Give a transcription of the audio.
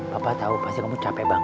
papa tau pasti kamu capek banget